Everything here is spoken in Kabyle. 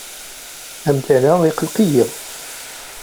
Amdan-a iqelleq-iyi.